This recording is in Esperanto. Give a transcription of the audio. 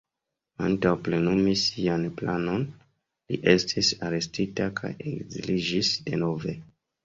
Antaŭ plenumi sian planon, li estis arestita kaj ekziliĝis denove.